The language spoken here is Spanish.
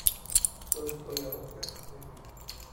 Sólo estoy a dos cajas de aquí.